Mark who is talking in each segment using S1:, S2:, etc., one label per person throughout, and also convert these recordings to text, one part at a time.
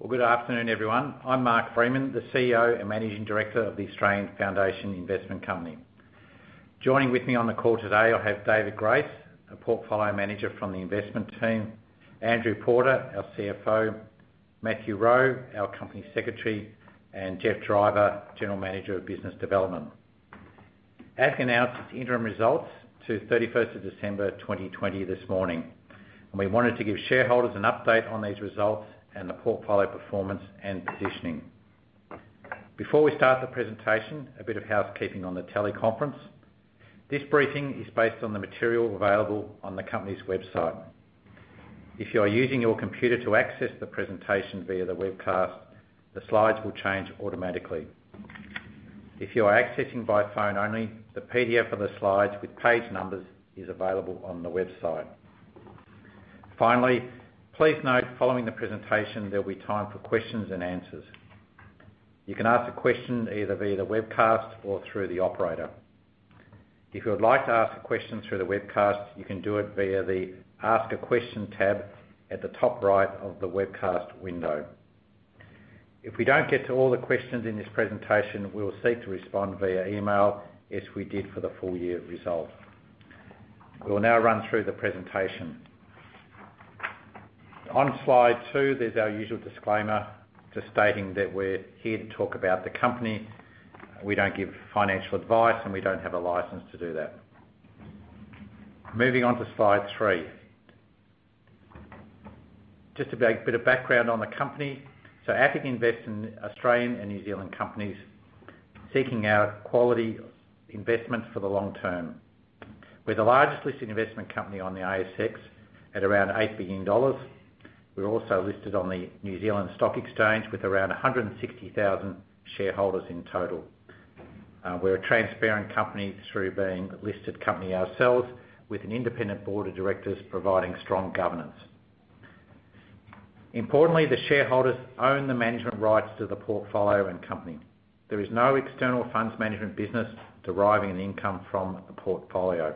S1: Well, good afternoon, everyone. I'm Mark Freeman, the CEO and Managing Director of the Australian Foundation Investment Company. Joining with me on the call today, I have David Grace, a Portfolio Manager from the investment team, Andrew Porter, our CFO, Matthew Rowe, our Company Secretary, and Geoff Driver, General Manager of business development. AFIC announced its interim results to 31st of December 2020 this morning. We wanted to give shareholders an update on these results and the portfolio performance and positioning. Before we start the presentation, a bit of housekeeping on the teleconference. This briefing is based on the material available on the company's website. If you are using your computer to access the presentation via the webcast, the slides will change automatically. If you are accessing by phone only, the PDF of the slides with page numbers is available on the website. Finally, please note, following the presentation, there'll be time for questions and answers. You can ask a question either via the webcast or through the operator. If you would like to ask a question through the webcast, you can do it via the Ask a Question tab at the top right of the webcast window. If we don't get to all the questions in this presentation, we will seek to respond via email as we did for the full-year result. We will now run through the presentation. On slide two, there's our usual disclaimer just stating that we're here to talk about the company. We don't give financial advice, and we don't have a license to do that. Moving on to slide three. Just a bit of background on the company. AFIC invests in Australian and New Zealand companies, seeking out quality investments for the long term. We're the largest listed investment company on the ASX at around 8 billion dollars. We're also listed on the New Zealand Stock Exchange with around 160,000 shareholders in total. We're a transparent company through being a listed company ourselves with an independent board of directors providing strong governance. Importantly, the shareholders own the management rights to the portfolio and company. There is no external funds management business deriving an income from the portfolio.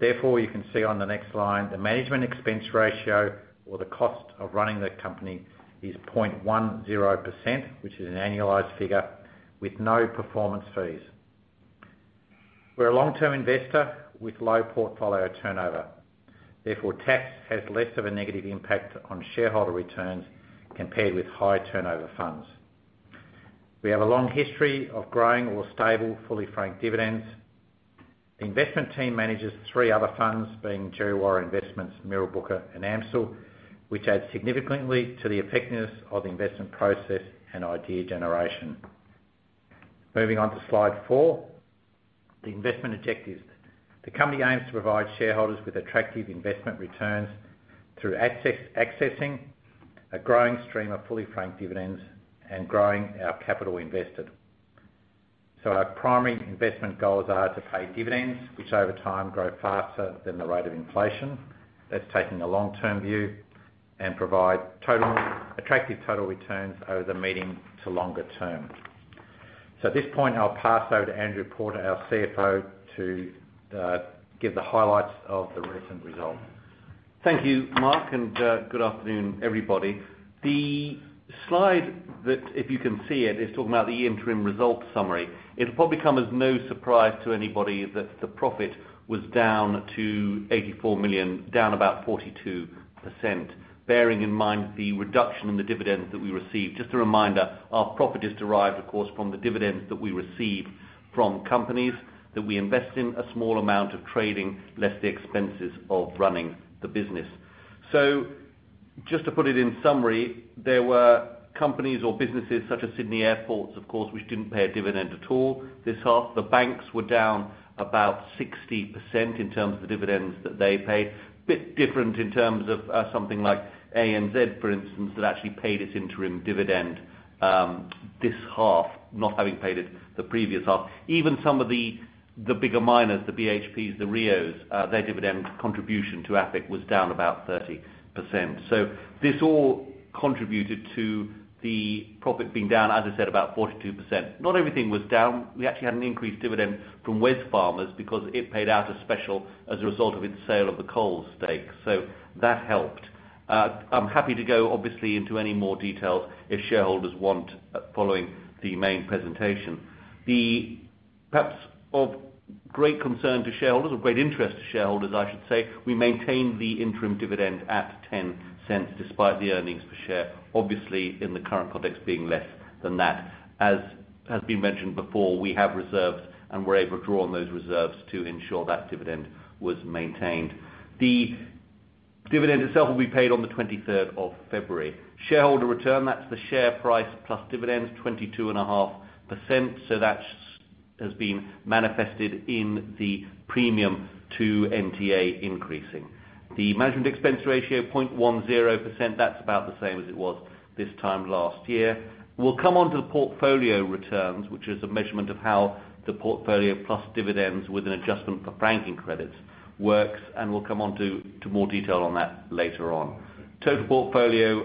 S1: You can see on the next line, the management expense ratio or the cost of running the company is 0.10%, which is an annualized figure with no performance fees. We're a long-term investor with low portfolio turnover. Tax has less of a negative impact on shareholder returns compared with high turnover funds. We have a long history of growing or stable fully franked dividends. The investment team manages three other funds, being Djerriwarrh Investments, Mirrabooka, and AMCIL, which adds significantly to the effectiveness of the investment process and idea generation. Moving on to slide four, the investment objectives. The company aims to provide shareholders with attractive investment returns through accessing a growing stream of fully franked dividends and growing our capital invested. Our primary investment goals are to pay dividends, which over time grow faster than the rate of inflation. That's taking a long-term view and provide attractive total returns over the medium to longer term. At this point, I'll pass over to Andrew Porter, our CFO, to give the highlights of the recent results.
S2: Thank you, Mark. Good afternoon, everybody. The slide that, if you can see it, is talking about the interim results summary. It'll probably come as no surprise to anybody that the profit was down to 84 million, down about 42%, bearing in mind the reduction in the dividends that we received. Just a reminder, our profit is derived, of course, from the dividends that we receive from companies that we invest in, a small amount of trading, less the expenses of running the business. Just to put it in summary, there were companies or businesses such as Sydney Airport, of course, which didn't pay a dividend at all this half. The banks were down about 60% in terms of the dividends that they paid. Bit different in terms of something like ANZ, for instance, that actually paid its interim dividend this half, not having paid it the previous half. Even some of the bigger miners, the BHPs, the Rios, their dividend contribution to AFIC was down about 30%. This all contributed to the profit being down, as I said, about 42%. Not everything was down. We actually had an increased dividend from Wesfarmers because it paid out a special as a result of its sale of the Coles stake, so that helped. I'm happy to go obviously into any more detail if shareholders want following the main presentation. Perhaps of great concern to shareholders or great interest to shareholders, I should say, we maintained the interim dividend at 0.10, despite the earnings per share, obviously in the current context being less than that. As has been mentioned before, we have reserves, and we're able to draw on those reserves to ensure that dividend was maintained. The dividend itself will be paid on the 23rd of February. Shareholder return, that's the share price plus dividends, 22.5%. That has been manifested in the premium to NTA increasing. The management expense ratio, 0.10%. That's about the same as it was this time last year. We'll come onto the portfolio returns, which is a measurement of how the portfolio plus dividends with an adjustment for franking credits works, and we'll come onto more detail on that later on. Total portfolio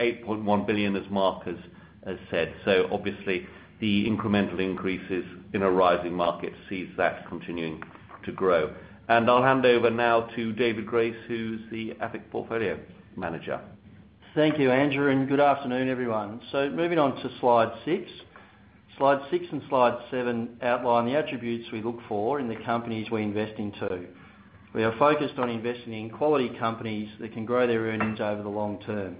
S2: 8.1 billion as Mark has said. Obviously the incremental increases in a rising market sees that continuing to grow. I'll hand over now to David Grace, who's the AFIC portfolio manager.
S3: Thank you, Andrew, and good afternoon, everyone. Moving on to slide six. Slide six and slide seven outline the attributes we look for in the companies we invest into. We are focused on investing in quality companies that can grow their earnings over the long term.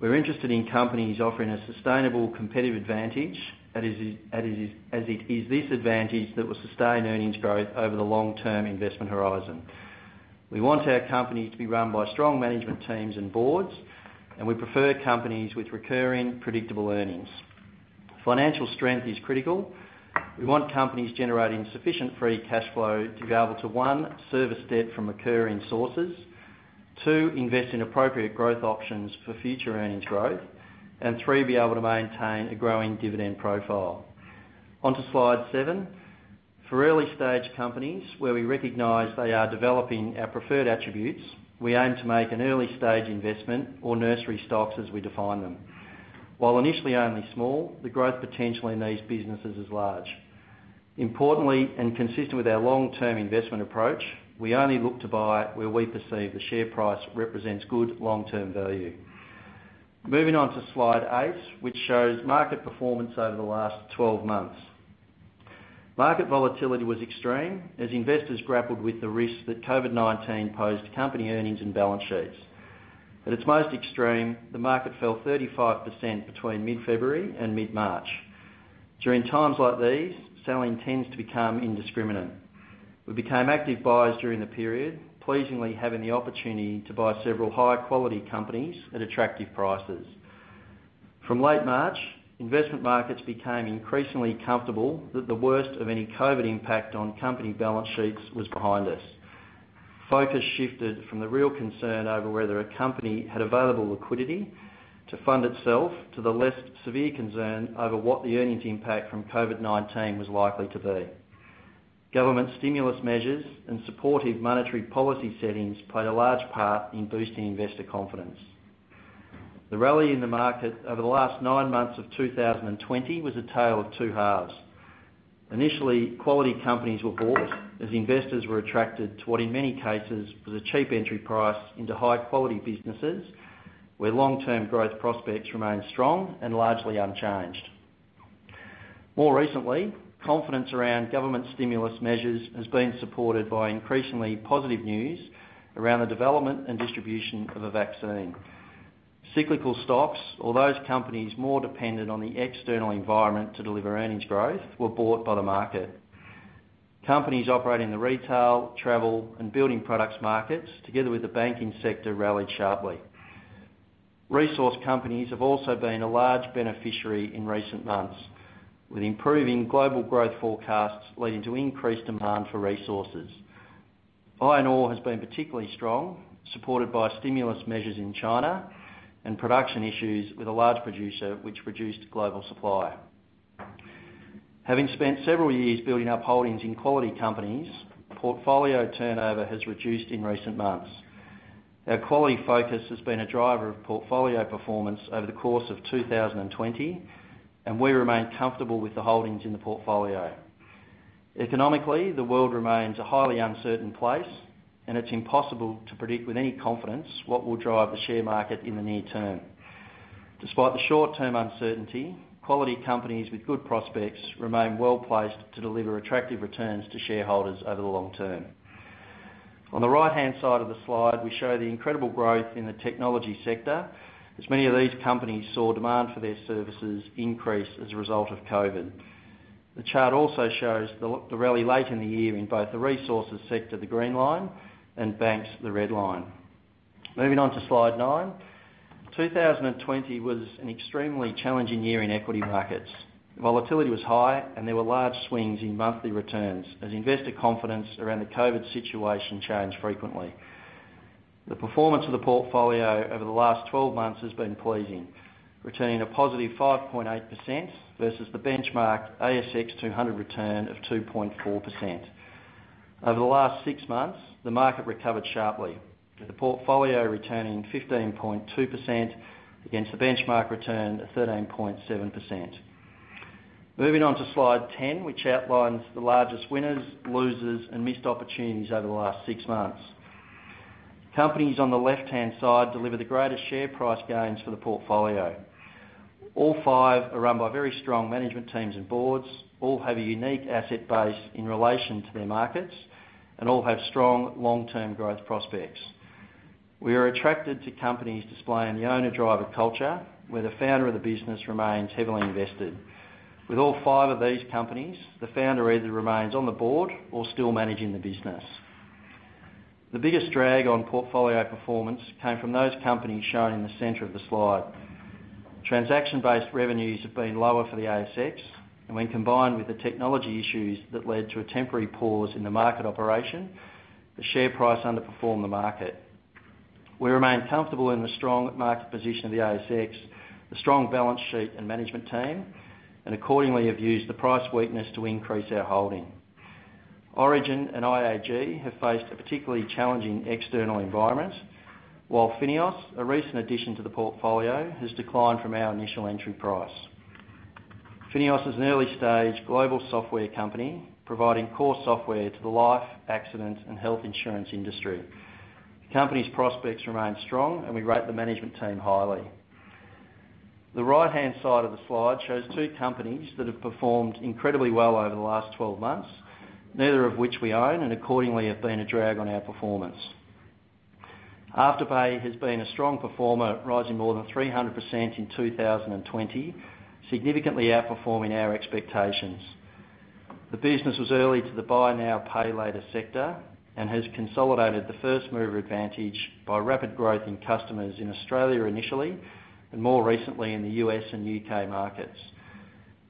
S3: We're interested in companies offering a sustainable competitive advantage, as it is this advantage that will sustain earnings growth over the long-term investment horizon. We want our companies to be run by strong management teams and boards, and we prefer companies with recurring predictable earnings. Financial strength is critical. We want companies generating sufficient free cash flow to be able to, one, service debt from occurring sources. Two, invest in appropriate growth options for future earnings growth. Three, be able to maintain a growing dividend profile. On to slide seven. For early stage companies, where we recognize they are developing our preferred attributes, we aim to make an early stage investment or nursery stocks as we define them. While initially only small, the growth potential in these businesses is large. Importantly, and consistent with our long-term investment approach, we only look to buy where we perceive the share price represents good long-term value. Moving on to slide eight, which shows market performance over the last 12 months. Market volatility was extreme as investors grappled with the risk that COVID-19 posed to company earnings and balance sheets. At its most extreme, the market fell 35% between mid-February and mid-March. During times like these, selling tends to become indiscriminate. We became active buyers during the period, pleasingly having the opportunity to buy several high-quality companies at attractive prices. From late March, investment markets became increasingly comfortable that the worst of any COVID-19 impact on company balance sheets was behind us. Focus shifted from the real concern over whether a company had available liquidity to fund itself to the less severe concern over what the earnings impact from COVID-19 was likely to be. Government stimulus measures and supportive monetary policy settings played a large part in boosting investor confidence. The rally in the market over the last nine months of 2020 was a tale of two halves. Initially, quality companies were bought as investors were attracted to what in many cases was a cheap entry price into high-quality businesses, where long-term growth prospects remained strong and largely unchanged. More recently, confidence around government stimulus measures has been supported by increasingly positive news around the development and distribution of a vaccine. Cyclical stocks or those companies more dependent on the external environment to deliver earnings growth were bought by the market. Companies operating the retail, travel, and building products markets, together with the banking sector rallied sharply. Resource companies have also been a large beneficiary in recent months, with improving global growth forecasts leading to increased demand for resources. Iron ore has been particularly strong, supported by stimulus measures in China and production issues with a large producer, which reduced global supply. Having spent several years building up holdings in quality companies, portfolio turnover has reduced in recent months. Our quality focus has been a driver of portfolio performance over the course of 2020, and we remain comfortable with the holdings in the portfolio. Economically, the world remains a highly uncertain place, and it's impossible to predict with any confidence what will drive the share market in the near term. Despite the short-term uncertainty, quality companies with good prospects remain well-placed to deliver attractive returns to shareholders over the long term. On the right-hand side of the slide, we show the incredible growth in the technology sector as many of these companies saw demand for their services increase as a result of COVID-19. The chart also shows the rally late in the year in both the resources sector, the green line, and banks, the red line. Moving on to slide nine. 2020 was an extremely challenging year in equity markets. Volatility was high, and there were large swings in monthly returns as investor confidence around the COVID-19 situation changed frequently. The performance of the portfolio over the last 12 months has been pleasing, returning a positive 5.8% versus the benchmark ASX 200 return of 2.4%. Over the last six months, the market recovered sharply, with the portfolio returning 15.2% against the benchmark return of 13.7%. Moving on to slide 10, which outlines the largest winners, losers, and missed opportunities over the last six months. Companies on the left-hand side delivered the greatest share price gains for the portfolio. All five are run by very strong management teams and boards, all have a unique asset base in relation to their markets, and all have strong long-term growth prospects. We are attracted to companies displaying the owner-driver culture, where the founder of the business remains heavily invested. With all five of these companies, the founder either remains on the board or still managing the business. The biggest drag on portfolio performance came from those companies shown in the center of the slide. Transaction-based revenues have been lower for the ASX, and when combined with the technology issues that led to a temporary pause in the market operation, the share price underperformed the market. We remain comfortable in the strong market position of the ASX, the strong balance sheet and management team, and accordingly have used the price weakness to increase our holding. Origin and IAG have faced a particularly challenging external environment. FINEOS, a recent addition to the portfolio, has declined from our initial entry price. FINEOS is an early-stage global software company providing core software to the life, accident, and health insurance industry. The company's prospects remain strong, and we rate the management team highly. The right-hand side of the slide shows two companies that have performed incredibly well over the last 12 months, neither of which we own, and accordingly have been a drag on our performance. Afterpay has been a strong performer, rising more than 300% in 2020, significantly outperforming our expectations. The business was early to the buy now, pay later sector and has consolidated the first-mover advantage by rapid growth in customers in Australia initially, and more recently in the U.S. and U.K. markets.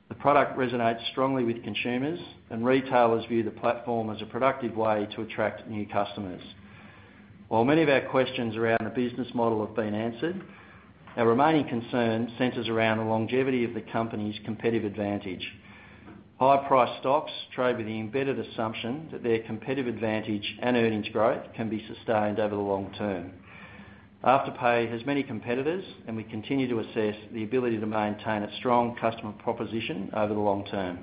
S3: The product resonates strongly with consumers, and retailers view the platform as a productive way to attract new customers. While many of our questions around the business model have been answered, our remaining concern centers around the longevity of the company's competitive advantage. High price stocks trade with the embedded assumption that their competitive advantage and earnings growth can be sustained over the long term. Afterpay has many competitors, and we continue to assess the ability to maintain a strong customer proposition over the long term.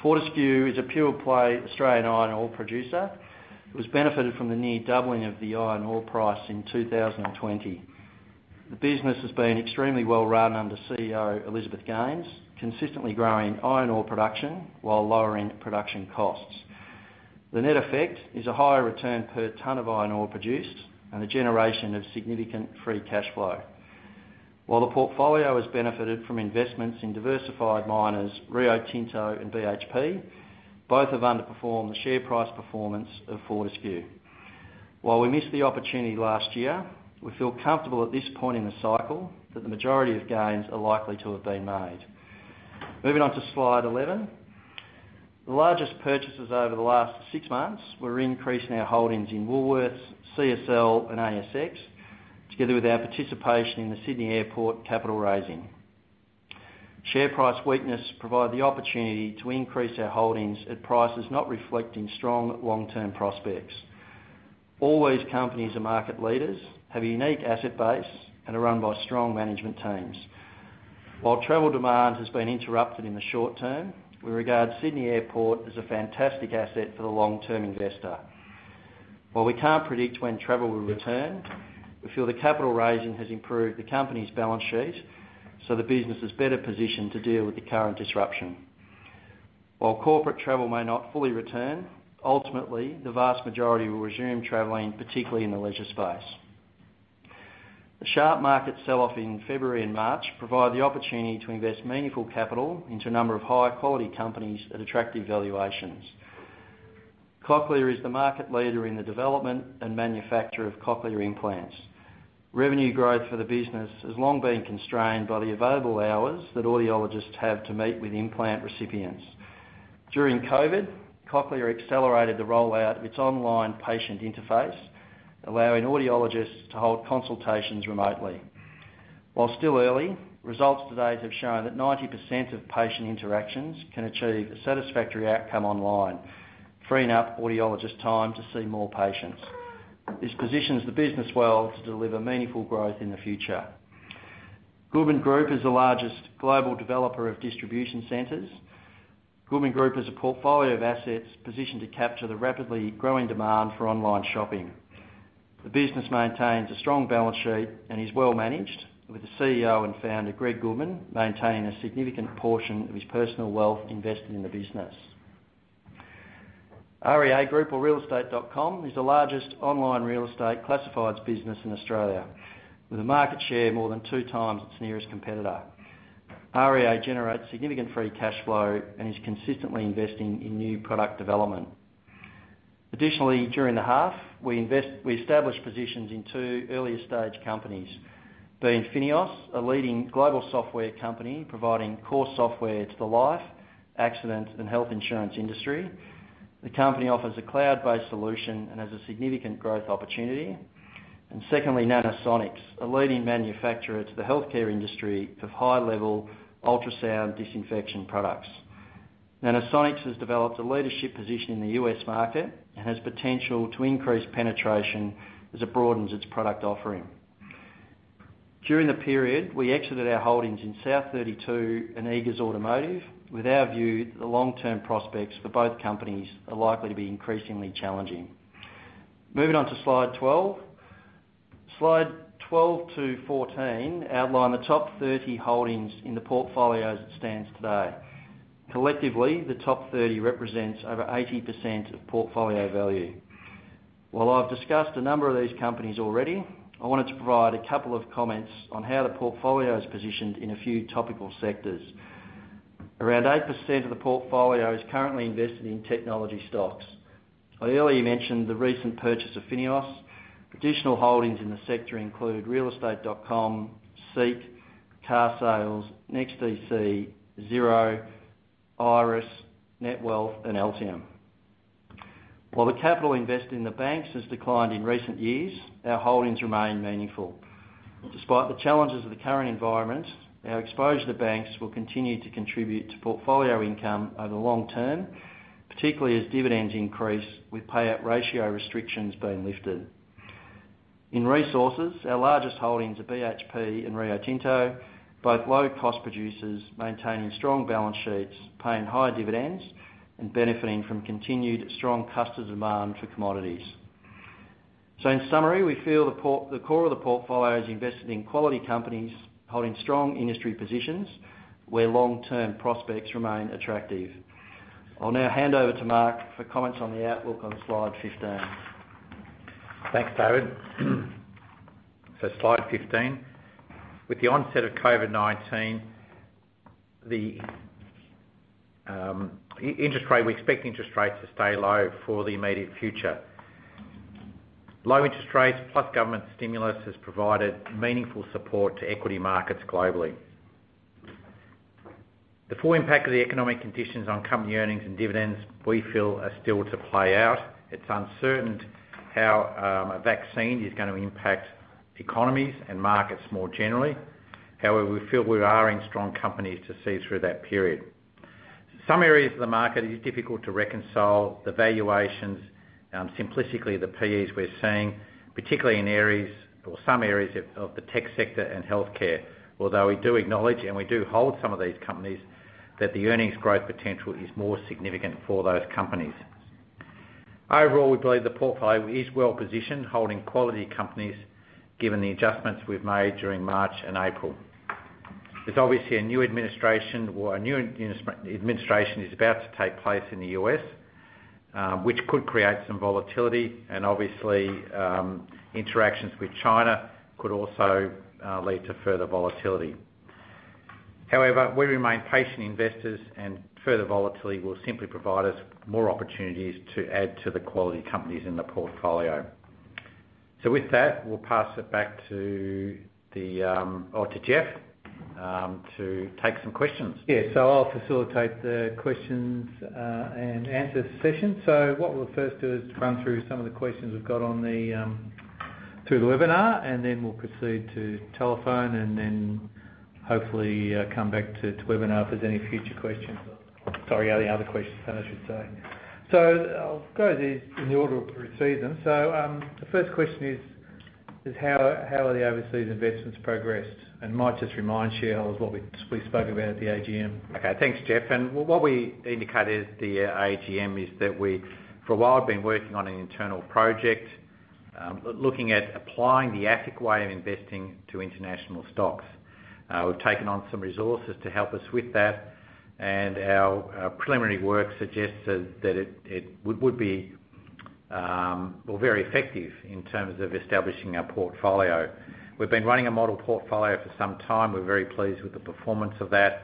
S3: Fortescue is a pure play Australian iron ore producer. It has benefited from the near doubling of the iron ore price in 2020. The business has been extremely well run under CEO Elizabeth Gaines, consistently growing iron ore production while lowering production costs. The net effect is a higher return per ton of iron ore produced and a generation of significant free cash flow. While the portfolio has benefited from investments in diversified miners Rio Tinto and BHP, both have underperformed the share price performance of Fortescue. While we missed the opportunity last year, we feel comfortable at this point in the cycle that the majority of gains are likely to have been made. Moving on to slide 11. The largest purchases over the last six months were increasing our holdings in Woolworths, CSL, and ASX, together with our participation in the Sydney Airport capital raising. Share price weakness provided the opportunity to increase our holdings at prices not reflecting strong long-term prospects. All these companies are market leaders, have a unique asset base, and are run by strong management teams. While travel demand has been interrupted in the short term, we regard Sydney Airport as a fantastic asset for the long-term investor. While we can't predict when travel will return, we feel the capital raising has improved the company's balance sheet, so the business is better positioned to deal with the current disruption. While corporate travel may not fully return, ultimately, the vast majority will resume traveling, particularly in the leisure space. The sharp market sell-off in February and March provided the opportunity to invest meaningful capital into a number of high-quality companies at attractive valuations. Cochlear is the market leader in the development and manufacture of cochlear implants. Revenue growth for the business has long been constrained by the available hours that audiologists have to meet with implant recipients. During COVID, Cochlear accelerated the rollout of its online patient interface, allowing audiologists to hold consultations remotely. While still early, results to date have shown that 90% of patient interactions can achieve a satisfactory outcome online, freeing up audiologists' time to see more patients. This positions the business well to deliver meaningful growth in the future. Goodman Group is the largest global developer of distribution centers. Goodman Group has a portfolio of assets positioned to capture the rapidly growing demand for online shopping. The business maintains a strong balance sheet and is well managed, with the CEO and founder, Greg Goodman, maintaining a significant portion of his personal wealth invested in the business. REA Group or realestate.com.au is the largest online real estate classifieds business in Australia, with a market share more than two times its nearest competitor. REA generates significant free cash flow and is consistently investing in new product development. Additionally, during the half, we established positions in two earlier-stage companies. Being FINEOS, a leading global software company providing core software to the life, accident, and health insurance industry. The company offers a cloud-based solution and has a significant growth opportunity. Secondly, Nanosonics, a leading manufacturer to the healthcare industry of high-level ultrasound disinfection products. Nanosonics has developed a leadership position in the U.S. market and has potential to increase penetration as it broadens its product offering. During the period, we exited our holdings in South32 and Eagers Automotive with our view that the long-term prospects for both companies are likely to be increasingly challenging. Moving on to slide 12. Slide 12 to 14 outline the top 30 holdings in the portfolio as it stands today. Collectively, the top 30 represents over 80% of portfolio value. While I've discussed a number of these companies already, I wanted to provide a couple of comments on how the portfolio is positioned in a few topical sectors. Around 8% of the portfolio is currently invested in technology stocks. I earlier mentioned the recent purchase of FINEOS. Additional holdings in the sector include realestate.com.au, SEEK, carsales.com, NEXTDC, Xero, Iress, Netwealth and Altium. While the capital invested in the banks has declined in recent years, our holdings remain meaningful. Despite the challenges of the current environment, our exposure to banks will continue to contribute to portfolio income over the long term, particularly as dividends increase with payout ratio restrictions being lifted. In resources, our largest holdings are BHP and Rio Tinto, both low-cost producers maintaining strong balance sheets, paying high dividends and benefiting from continued strong customer demand for commodities. In summary, we feel the core of the portfolio is invested in quality companies holding strong industry positions, where long-term prospects remain attractive. I'll now hand over to Mark for comments on the outlook on Slide 15.
S1: Thanks, David. Slide 15. With the onset of COVID-19, we expect interest rates to stay low for the immediate future. Low interest rates plus government stimulus has provided meaningful support to equity markets globally. The full impact of the economic conditions on company earnings and dividends we feel are still to play out. It's uncertain how a vaccine is going to impact economies and markets more generally. We feel we are in strong companies to see through that period. Some areas of the market, it is difficult to reconcile the valuations, simplistically the PEs we're seeing, particularly in some areas of the tech sector and healthcare. We do acknowledge and we do hold some of these companies, that the earnings growth potential is more significant for those companies. Overall, we believe the portfolio is well-positioned, holding quality companies, given the adjustments we've made during March and April. There's obviously a new administration or a new administration is about to take place in the U.S., which could create some volatility. Obviously, interactions with China could also lead to further volatility. However, we remain patient investors. Further volatility will simply provide us more opportunities to add to the quality companies in the portfolio. With that, we'll pass it back to Geoff to take some questions.
S4: Yeah. I'll facilitate the questions and answers session. What we'll first do is run through some of the questions we've got through the webinar, and then we'll proceed to telephone and then hopefully, come back to webinar if there's any future questions. Sorry, any other questions then, I should say. I'll go in the order we've received them. The first question is: How are the overseas investments progressed? Might just remind shareholders what we spoke about at the AGM.
S1: Okay, thanks, Geoff. What we indicated at the AGM is that we, for a while, have been working on an internal project, looking at applying the AFIC way of investing to international stocks. We've taken on some resources to help us with that, and our preliminary work suggests that it would be very effective in terms of establishing our portfolio. We've been running a model portfolio for some time. We're very pleased with the performance of that,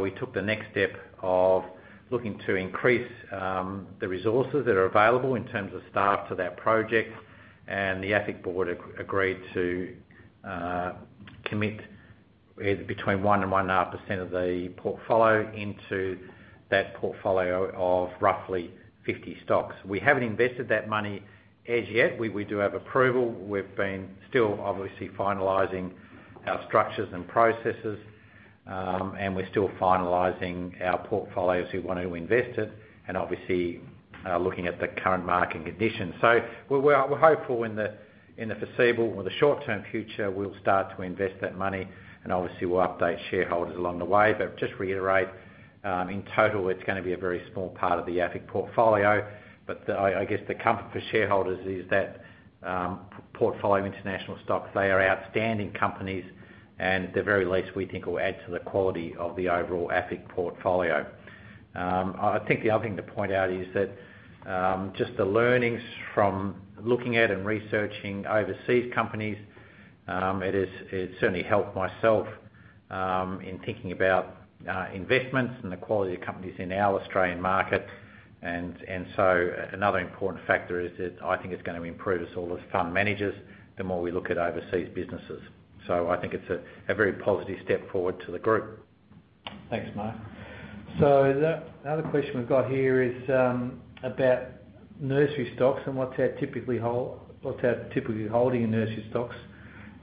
S1: we took the next step of looking to increase the resources that are available in terms of staff to that project, the AFIC board agreed to commit between 1% and 1.5% of the portfolio into that portfolio of roughly 50 stocks. We haven't invested that money as yet. We do have approval. We've been still obviously finalizing our structures and processes, and we're still finalizing our portfolios, we want to invest in, and obviously, looking at the current market conditions. We're hopeful in the foreseeable or the short-term future, we'll start to invest that money and obviously, we'll update shareholders along the way. Just to reiterate, in total it's going to be a very small part of the AFIC portfolio. I guess the comfort for shareholders is that portfolio international stocks, they are outstanding companies and at the very least, we think will add to the quality of the overall AFIC portfolio. I think the other thing to point out is that, just the learnings from looking at and researching overseas companies, it certainly helped myself in thinking about investments and the quality of companies in our Australian market. Another important factor is that I think it's going to improve us all as fund managers, the more we look at overseas businesses. I think it's a very positive step forward to the group.
S4: Thanks, Mark. Another question we've got here is about nursery stocks and what's our typical holding in nursery stocks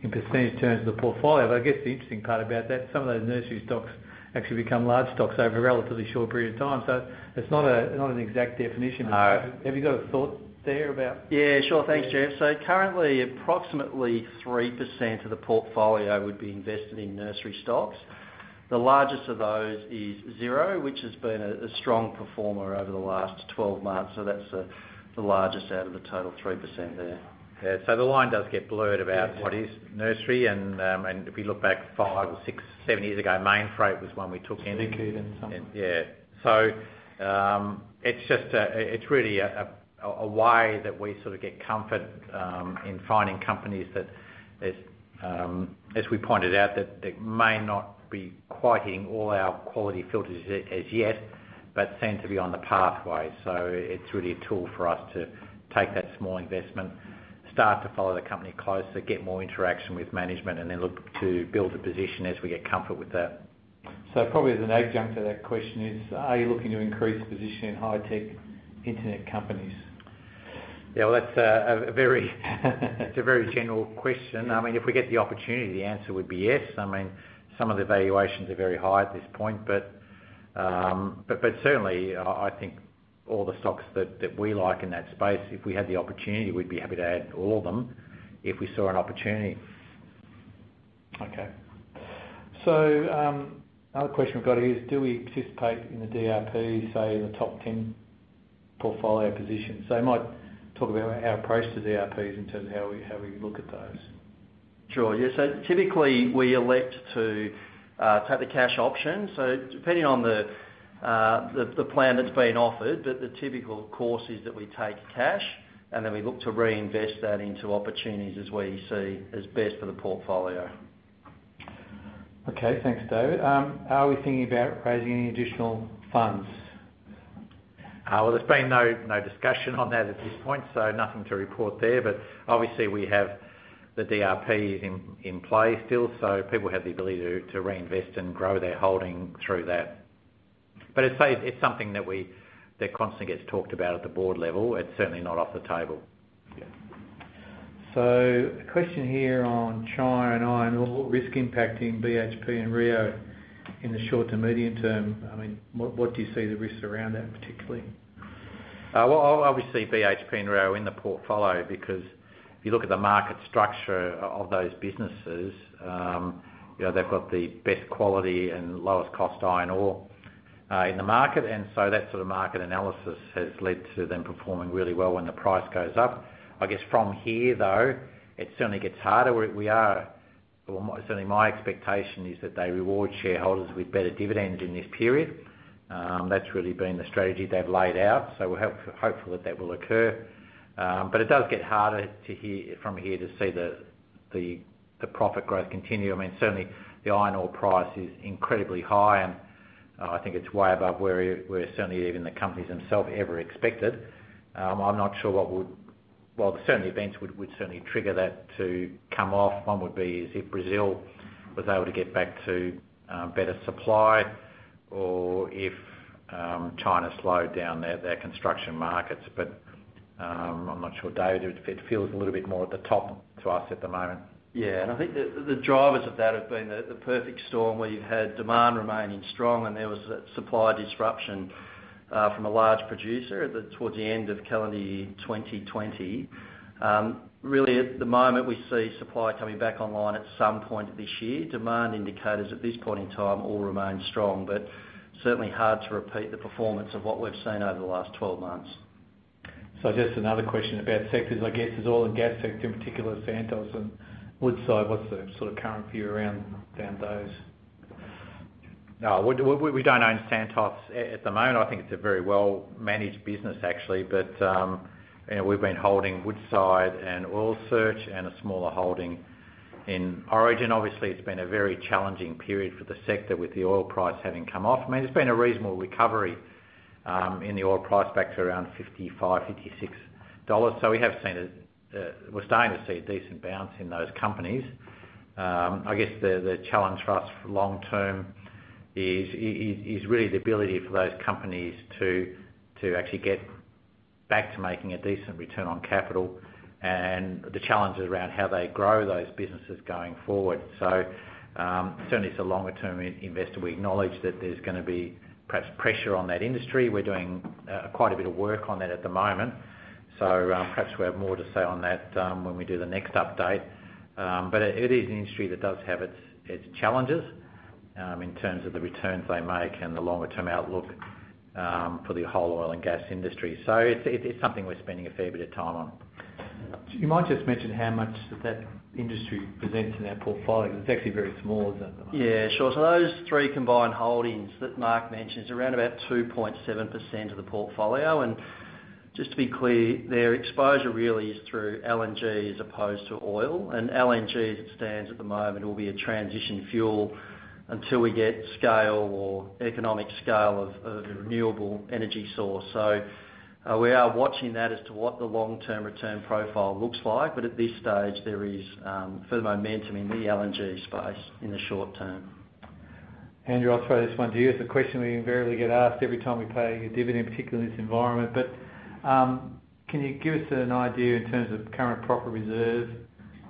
S4: in percentage terms of the portfolio. I guess the interesting part about that, some of those nursery stocks actually become large stocks over a relatively short period of time. It's not an exact definition. Have you got a thought there about?
S3: Yeah, sure. Thanks, Geoff. Currently, approximately 3% of the portfolio would be invested in nursery stocks. The largest of those is Xero, which has been a strong performer over the last 12 months. That's the largest out of the total 3% there.
S1: Yeah. The line does get blurred about. What is nursery and if you look back five or six, seven years ago, Mainfreight was one we took in.
S3: Link Group and some.
S1: Yeah. It's really a way that we sort of get comfort in finding companies that, as we pointed out, that may not be quite hitting all our quality filters as yet, but seem to be on the pathway. It's really a tool for us to take that small investment, start to follow the company closer, get more interaction with management, and then look to build a position as we get comfort with that.
S4: Probably as an adjunct to that question is, are you looking to increase positioning in high tech internet companies?
S1: Yeah. Well, that's a very general question. If we get the opportunity, the answer would be yes. Some of the valuations are very high at this point, but certainly, I think all the stocks that we like in that space, if we had the opportunity, we'd be happy to add all of them if we saw an opportunity.
S4: Okay. Another question we've got is, do we participate in the DRP, say, in the top 10 portfolio positions? You might talk about our approach to DRPs in terms of how we look at those.
S3: Sure. Yeah. Typically, we elect to take the cash option. Depending on the plan that's being offered, but the typical course is that we take cash and then we look to reinvest that into opportunities as we see as best for the portfolio.
S4: Okay. Thanks, David. Are we thinking about raising any additional funds?
S1: Well, there's been no discussion on that at this point, so nothing to report there. Obviously we have the DRP in play still, so people have the ability to reinvest and grow their holding through that. As I say, it's something that constantly gets talked about at the board level. It's certainly not off the table.
S4: Yeah. A question here on China and iron ore risk impacting BHP and Rio in the short to medium term. What do you see the risks around that particularly?
S1: Obviously BHP and Rio are in the portfolio because if you look at the market structure of those businesses, they've got the best quality and lowest cost iron ore in the market. That sort of market analysis has led to them performing really well when the price goes up. I guess from here, though, it certainly gets harder. Certainly my expectation is that they reward shareholders with better dividends in this period. That's really been the strategy they've laid out, so we're hopeful that will occur. It does get harder from here to see the profit growth continue. Certainly the iron ore price is incredibly high, and I think it's way above where certainly even the companies themselves ever expected. I'm not sure certain events would certainly trigger that to come off. One would be is if Brazil was able to get back to better supply or if China slowed down their construction markets. I'm not sure, David, it feels a little bit more at the top to us at the moment.
S3: Yeah, I think the drivers of that have been the perfect storm where you've had demand remaining strong and there was that supply disruption from a large producer towards the end of calendar year 2020. Really at the moment, we see supply coming back online at some point this year. Demand indicators at this point in time all remain strong, certainly hard to repeat the performance of what we've seen over the last 12 months.
S4: Just another question about sectors, I guess is oil and gas sector in particular, Santos and Woodside. What's the current view around those?
S1: We don't own Santos at the moment. I think it's a very well-managed business actually. We've been holding Woodside and Oil Search and a smaller holding in Origin. Obviously, it's been a very challenging period for the sector with the oil price having come off. There's been a reasonable recovery in the oil price back to around 55 dollars, 56 dollars. We're starting to see a decent bounce in those companies. I guess the challenge for us long term is really the ability for those companies to actually get back to making a decent return on capital and the challenges around how they grow those businesses going forward. Certainly as a longer term investor, we acknowledge that there's going to be perhaps pressure on that industry. We're doing quite a bit of work on that at the moment, so perhaps we'll have more to say on that when we do the next update. It is an industry that does have its challenges in terms of the returns they make and the longer-term outlook for the whole oil and gas industry. It's something we're spending a fair bit of time on.
S4: You might just mention how much that industry presents in our portfolio because it's actually very small, isn't it, at the moment?
S3: Yeah, sure. Those three combined holdings that Mark mentioned is around about 2.7% of the portfolio. Just to be clear, their exposure really is through LNG as opposed to oil. LNG, as it stands at the moment, will be a transition fuel until we get scale or economic scale of a renewable energy source. We are watching that as to what the long-term return profile looks like. At this stage, there is further momentum in the LNG space in the short term.
S4: Andrew, I'll throw this one to you. It's a question we invariably get asked every time we pay a dividend, particularly in this environment. Can you give us an idea in terms of current profit reserve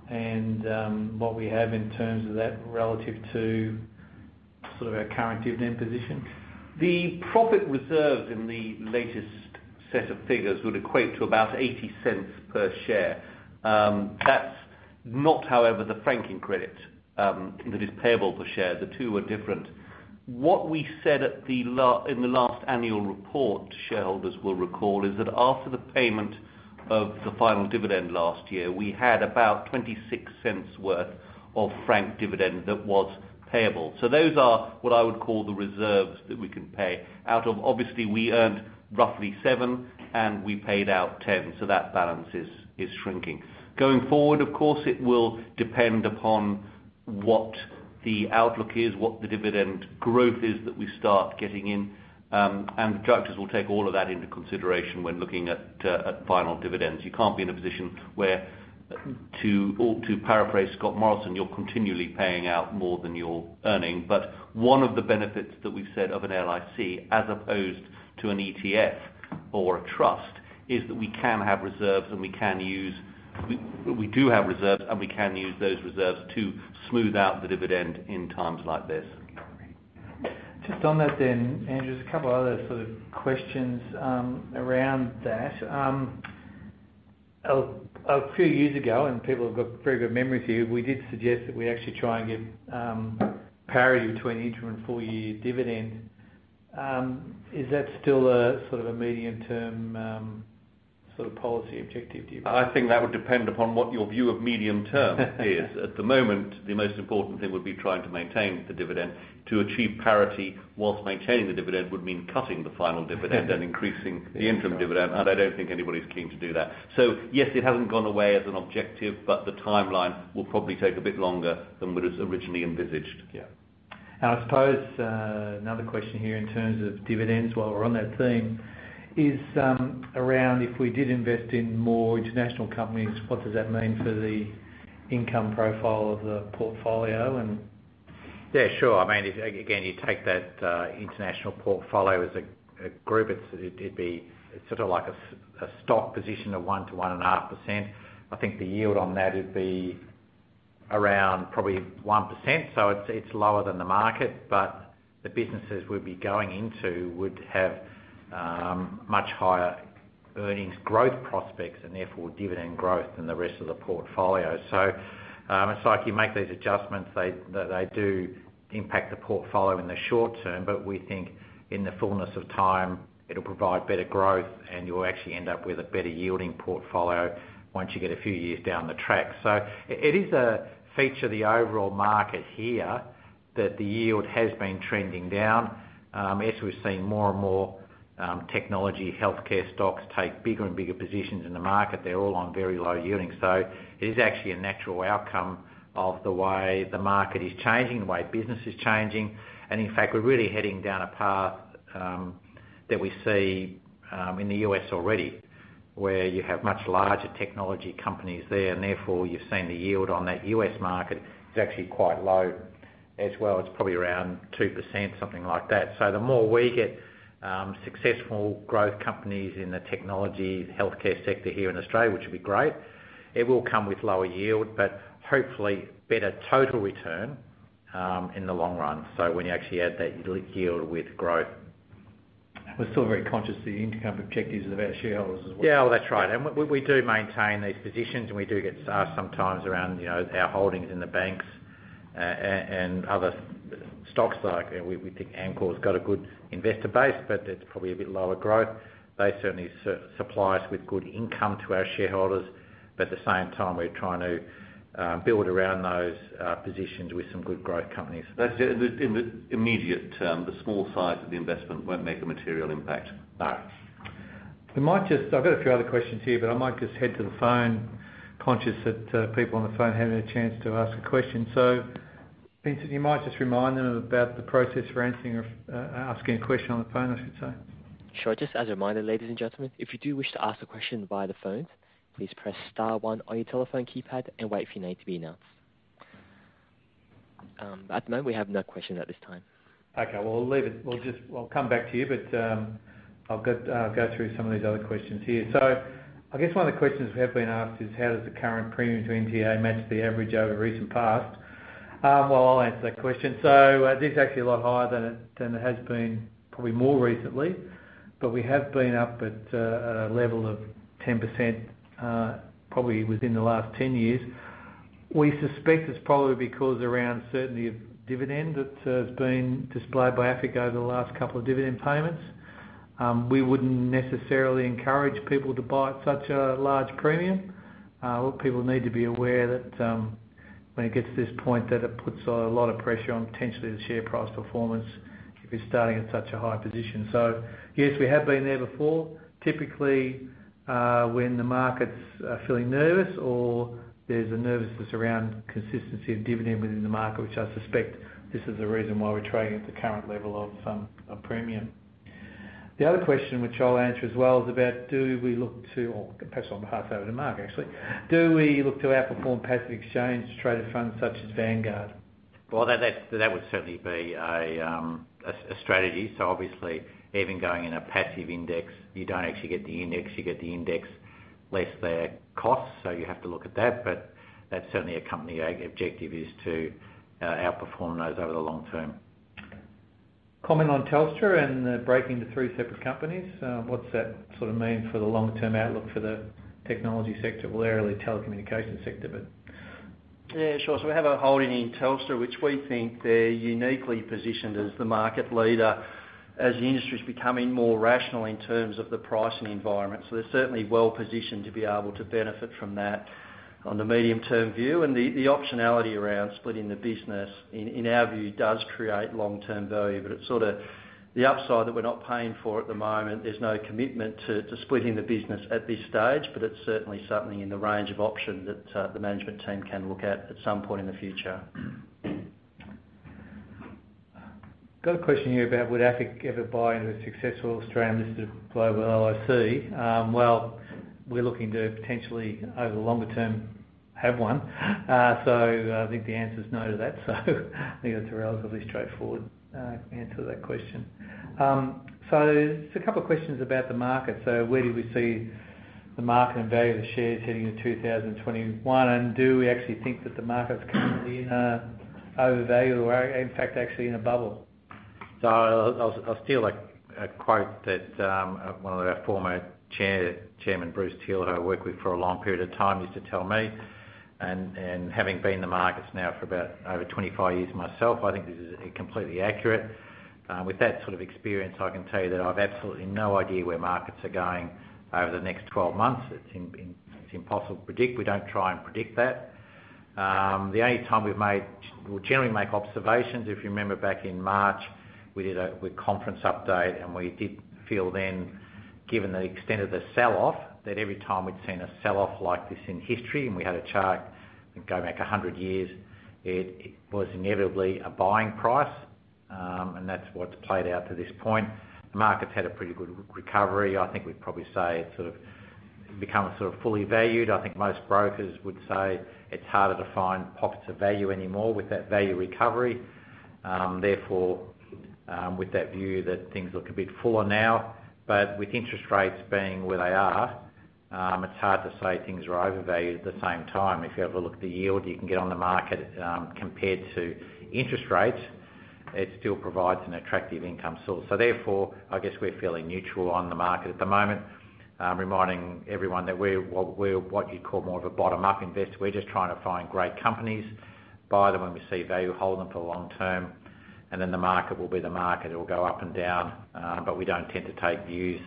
S4: and what we have in terms of that relative to our current dividend position?
S2: The profit reserves in the latest set of figures would equate to about 0.80 per share. That's not, however, the franking credit that is payable per share. The two are different. What we said in the last annual report, shareholders will recall, is that after the payment of the final dividend last year, we had about 0.26 worth of franked dividend that was payable. Those are what I would call the reserves that we can pay out of. Obviously, we earned roughly 0.07 and we paid out 0.10, that balance is shrinking. Going forward, of course, it will depend upon what the outlook is, what the dividend growth is that we start getting in. The directors will take all of that into consideration when looking at final dividends. You can't be in a position where to paraphrase Scott Morrison, you're continually paying out more than you're earning. One of the benefits that we've said of an LIC as opposed to an ETF or trust, is that we can have reserves and we do have reserves, and we can use those reserves to smooth out the dividend in times like this.
S4: Just on that, Andrew, there's a couple other sort of questions around that. A few years ago, people have got very good memories here, we did suggest that we actually try and give parity between interim full-year dividend. Is that still a medium-term sort of policy objective, do you think?
S2: I think that would depend upon what your view of medium term is. At the moment, the most important thing would be trying to maintain the dividend. To achieve parity while maintaining the dividend would mean cutting the final dividend and increasing the interim dividend, I don't think anybody's keen to do that. Yes, it hasn't gone away as an objective, the timeline will probably take a bit longer than what is originally envisaged.
S4: Yeah. I suppose another question here in terms of dividends, while we're on that theme, is around if we did invest in more international companies, what does that mean for the income profile of the portfolio?
S1: Yeah, sure. You take that international portfolio as a group, it'd be sort of like a stock position of 1%-1.5%. I think the yield on that would be around probably 1%, so it's lower than the market, but the businesses we'd be going into would have much higher earnings growth prospects, and therefore dividend growth than the rest of the portfolio. It's like you make these adjustments, they do impact the portfolio in the short term, but we think in the fullness of time, it'll provide better growth and you'll actually end up with a better yielding portfolio once you get a few years down the track. It is a feature of the overall market here that the yield has been trending down. As we've seen more and more technology, healthcare stocks take bigger and bigger positions in the market, they're all on very low yielding. It is actually a natural outcome of the way the market is changing, the way business is changing, and in fact, we're really heading down a path that we see in the U.S. already, where you have much larger technology companies there, and therefore you're seeing the yield on that U.S. market is actually quite low as well. It's probably around 2%, something like that. The more we get successful growth companies in the technology, healthcare sector here in Australia, which would be great, it will come with lower yield, but hopefully better total return in the long run. When you actually add that yield with growth.
S4: We're still very conscious of the income objectives of our shareholders as well.
S1: Yeah. Well, that's right. We do maintain these positions, and we do get asked sometimes around our holdings in the banks and other stocks. We think Amcor's got a good investor base, but it's probably a bit lower growth. They certainly supply us with good income to our shareholders, but at the same time, we're trying to build around those positions with some good growth companies.
S2: In the immediate term, the small size of the investment won't make a material impact.
S1: No.
S4: I've got a few other questions here, but I might just head to the phone, conscious that people on the phone haven't had a chance to ask a question. Vincent, you might just remind them about the process for asking a question on the phone, I should say.
S5: Sure. Just as a reminder, ladies and gentlemen, if you do wish to ask a question via the phone, please press star one on your telephone keypad and wait for your name to be announced. At the moment, we have no questions at this time.
S4: Well, we'll come back to you, but I'll go through some of these other questions here. I guess one of the questions we have been asked is: How does the current premium to NTA match the average over recent past? Well, I'll answer that question. It is actually a lot higher than it has been probably more recently, but we have been up at a level of 10% probably within the last 10 years. We suspect it's probably because around certainty of dividend that has been displayed by AFIC over the last couple of dividend payments. We wouldn't necessarily encourage people to buy at such a large premium. What people need to be aware that, when it gets to this point, that it puts a lot of pressure on potentially the share price performance if you're starting at such a high position. Yes, we have been there before. Typically, when the markets are feeling nervous or there's a nervousness around consistency of dividend within the market, which I suspect this is the reason why we're trading at the current level of premium. The other question, which I'll answer as well, is about Or perhaps I'll pass over to Mark, actually. Do we look to outperform passive exchange-traded funds such as Vanguard?
S1: Well, that would certainly be a strategy. Obviously even going in a passive index, you don't actually get the index, you get the index less their costs. You have to look at that, but that's certainly a company objective is to outperform those over the long term.
S4: Comment on Telstra and breaking into three separate companies. What does that mean for the long-term outlook for the technology sector? Well, they're really telecommunications sector.
S3: Yeah, sure. We have a holding in Telstra, which we think they're uniquely positioned as the market leader as the industry's becoming more rational in terms of the pricing environment. They're certainly well-positioned to be able to benefit from that on the medium-term view. The optionality around splitting the business, in our view, does create long-term value. It's sort of the upside that we're not paying for at the moment. There's no commitment to splitting the business at this stage, but it's certainly something in the range of options that the management team can look at some point in the future.
S4: Got a question here about: Would AFIC ever buy into a successful Australian-listed global LIC? Well, we're looking to potentially, over the longer term have one. I think the answer is no to that. I think that's a relatively straightforward answer to that question. There's a couple of questions about the market. Where do we see the market and value of the shares heading in 2021, and do we actually think that the market's currently in a overvalue or in fact, actually in a bubble?
S1: I'll steal a quote that one of our former chairman, Bruce Teele, who I worked with for a long period of time, used to tell me, and having been in the markets now for about over 25 years myself, I think this is completely accurate. With that sort of experience, I can tell you that I've absolutely no idea where markets are going over the next 12 months. It's impossible to predict. We don't try and predict that. The only time we'll generally make observations, if you remember back in March, we did a conference update, and we did feel then, given the extent of the sell-off, that every time we'd seen a sell-off like this in history, and we had a chart go back 100 years, it was inevitably a buying price. That's what's played out to this point. The market's had a pretty good recovery. I think we'd probably say it's become sort of fully valued. I think most brokers would say it's harder to find pockets of value anymore with that value recovery. With that view that things look a bit fuller now, with interest rates being where they are, it's hard to say things are overvalued at the same time. If you have a look at the yield you can get on the market, compared to interest rates, it still provides an attractive income source. I guess we're feeling neutral on the market at the moment, reminding everyone that we're what you'd call more of a bottom-up investor. We're just trying to find great companies, buy them when we see value, hold them for the long term, the market will be the market. It'll go up and down. We don't tend to take views.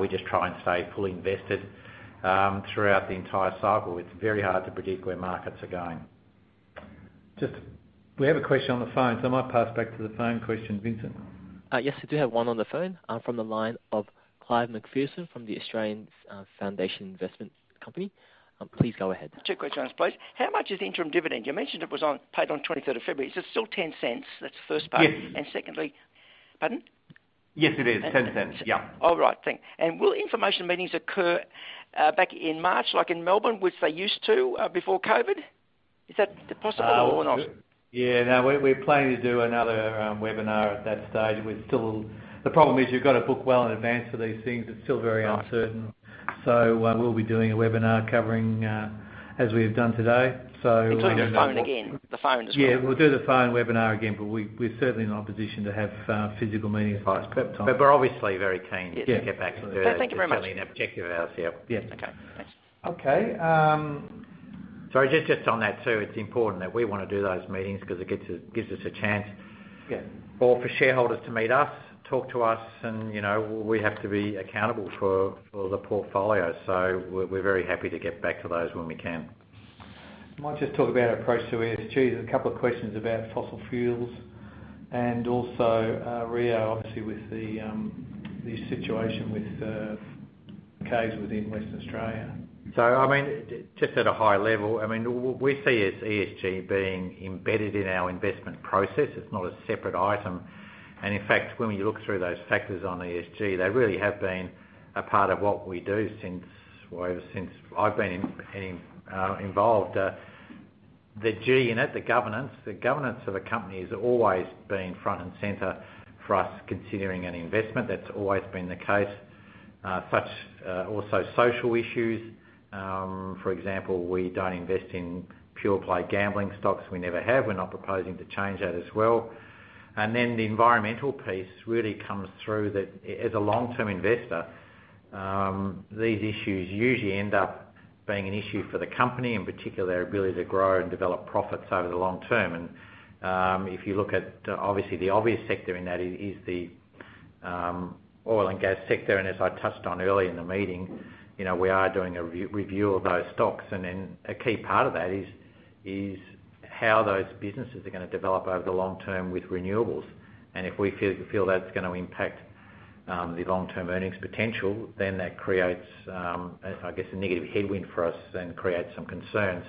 S1: We just try and stay fully invested throughout the entire cycle. It's very hard to predict where markets are going.
S4: Just, we have a question on the phone, so I might pass back to the phone questions, Vincent.
S5: Yes, we do have one on the phone, from the line of Clive McPherson from the Australian Foundation Investment Company. Please go ahead.
S6: Two questions, please. How much is the interim dividend? You mentioned it was paid on 23rd of February. Is it still 0.10? That's the first part.
S1: Yes.
S6: Secondly. Pardon?
S1: Yes, it is 0.10. Yeah.
S6: All right. Thanks. Will information meetings occur back in March, like in Melbourne, which they used to before COVID? Is that possible or not?
S1: Yeah, no, we're planning to do another webinar at that stage. The problem is you've got to book well in advance for these things. It's still very uncertain.
S6: Right.
S1: We'll be doing a webinar covering, as we have done today.
S6: Including the phone again? The phone as well?
S1: Yeah, we'll do the phone webinar again, but we're certainly not in a position to have physical meetings by that time. We're obviously very keen.
S6: Yes
S1: To get back to those.
S6: Thank you very much.
S1: It's certainly an objective of ours. Yep.
S6: Okay. Thanks.
S4: Okay.
S1: Sorry, just on that, too, it's important that we want to do those meetings because it gives us a chance.
S4: Yeah
S1: Or for shareholders to meet us, talk to us, and we have to be accountable for the portfolio. We're very happy to get back to those when we can.
S4: I might just talk about our approach to ESG. There's a couple of questions about fossil fuels and also Rio, obviously, with the situation with caves within Western Australia.
S1: Just at a high level, we see ESG being embedded in our investment process. It's not a separate item. In fact, when you look through those factors on ESG, they really have been a part of what we do since, well, ever since I've been involved. The G in it, the governance, the governance of the company has always been front and center for us considering an investment. That's always been the case. Also, social issues. For example, we don't invest in pure play gambling stocks. We never have. We're not proposing to change that as well. Then the environmental piece really comes through that, as a long-term investor, these issues usually end up being an issue for the company, in particular, their ability to grow and develop profits over the long term. If you look at, obviously, the obvious sector in that is the oil and gas sector. As I touched on earlier in the meeting, we are doing a review of those stocks. A key part of that is how those businesses are going to develop over the long term with renewables. If we feel that's going to impact the long-term earnings potential, that creates, I guess, a negative headwind for us and creates some concern.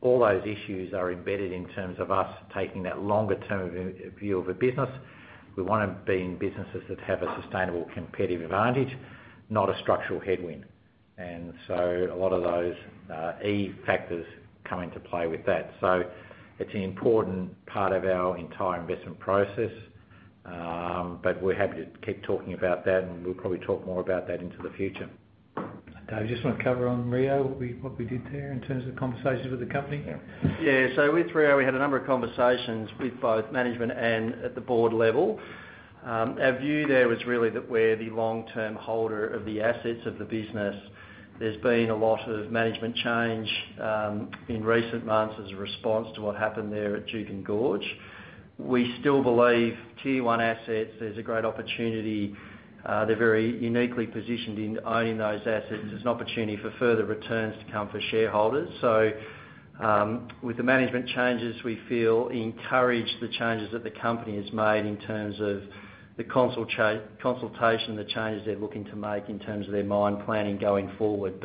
S1: All those issues are embedded in terms of us taking that longer-term view of a business. We want to be in businesses that have a sustainable competitive advantage, not a structural headwind. A lot of those E factors come into play with that. It's an important part of our entire investment process, but we're happy to keep talking about that, and we'll probably talk more about that into the future.
S4: David, you just want to cover on Rio, what we did there in terms of conversations with the company?
S3: With Rio, we had a number of conversations with both management and at the board level. Our view there was really that we're the long-term holder of the assets of the business. There's been a lot of management change in recent months as a response to what happened there at Juukan Gorge. We still believe Tier 1 assets, there's a great opportunity. They're very uniquely positioned in owning those assets. There's an opportunity for further returns to come for shareholders. With the management changes, we feel encouraged the changes that the company has made in terms of the consultation, the changes they're looking to make in terms of their mine planning going forward.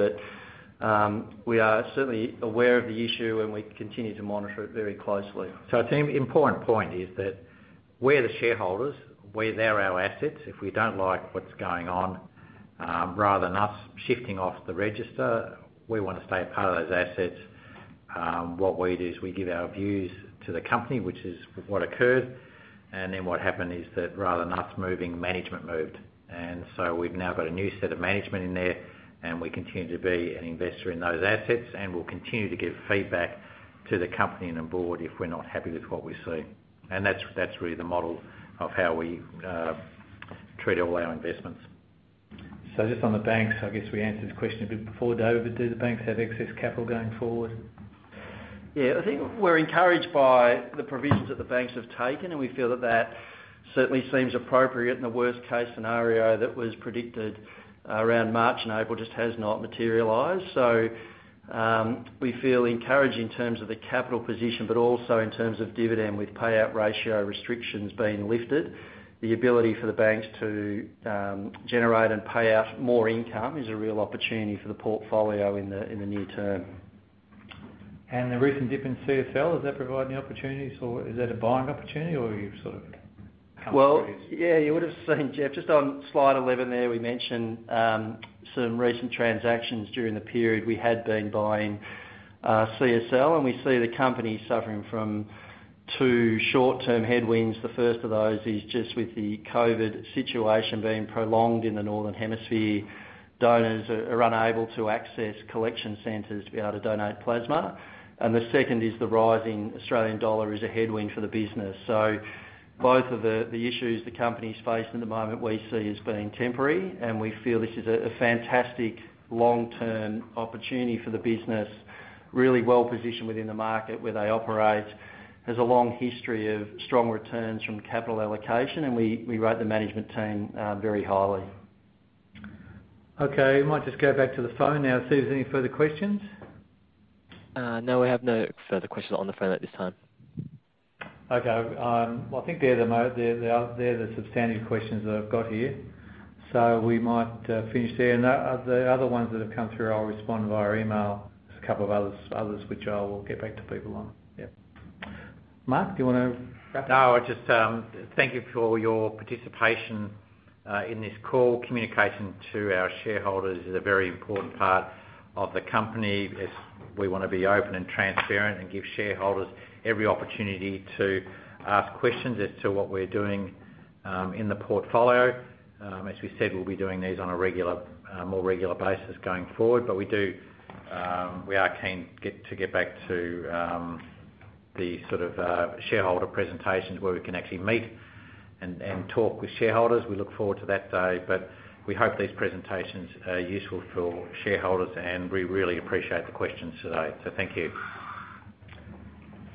S3: We are certainly aware of the issue, and we continue to monitor it very closely.
S1: I think the important point. We're the shareholders. They're our assets. If we don't like what's going on, rather than us shifting off the register, we want to stay a part of those assets. What we do is we give our views to the company, which is what occurred. What happened is that rather than us moving, management moved. We've now got a new set of management in there, and we continue to be an investor in those assets, and we'll continue to give feedback to the company and the board if we're not happy with what we see. That's really the model of how we treat all our investments.
S4: Just on the banks, I guess we answered this question a bit before, David. Do the banks have excess capital going forward?
S3: I think we're encouraged by the provisions that the banks have taken, and we feel that that certainly seems appropriate in the worst case scenario that was predicted around March and April just has not materialized. We feel encouraged in terms of the capital position, but also in terms of dividend with payout ratio restrictions being lifted. The ability for the banks to generate and pay out more income is a real opportunity for the portfolio in the near term.
S4: The recent dip in CSL, has that provided any opportunities, or is that a buying opportunity, or are you sort of comfortable with?
S3: Well, yeah, you would've seen, Geoff, just on slide 11 there, we mentioned some recent transactions during the period. We had been buying CSL, and we see the company suffering from two short-term headwinds. The first of those is just with the COVID-19 situation being prolonged in the northern hemisphere, donors are unable to access collection centers to be able to donate plasma. The second is the rising Australian dollar is a headwind for the business. Both of the issues the company's facing at the moment we see as being temporary, and we feel this is a fantastic long-term opportunity for the business, really well-positioned within the market where they operate. There's a long history of strong returns from capital allocation, and we rate the management team very highly.
S4: Okay. We might just go back to the phone now, see if there's any further questions.
S5: No, we have no further questions on the phone at this time.
S4: Okay. Well, I think they're the substantive questions that I've got here, so we might finish there. The other ones that have come through, I'll respond via email. There's a couple of others which I will get back to people on. Yep. Mark, do you want to wrap up?
S1: Thank you for your participation in this call. Communication to our shareholders is a very important part of the company, as we want to be open and transparent and give shareholders every opportunity to ask questions as to what we're doing in the portfolio. As we said, we'll be doing these on a more regular basis going forward. We are keen to get back to the shareholder presentations where we can actually meet and talk with shareholders. We look forward to that day. We hope these presentations are useful for shareholders, and we really appreciate the questions today. Thank you.